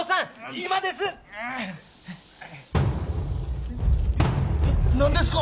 今です何ですか？